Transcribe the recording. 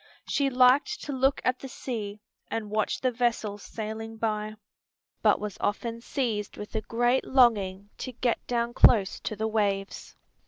She liked to look at the sea and watch the vessels sailing by, but was often seized with a great longing to get down close to the waves.